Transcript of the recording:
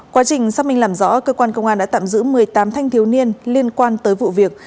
quá trình xác minh làm rõ cơ quan công an đã tạm giữ một mươi tám thanh thiếu niên liên quan tới vụ việc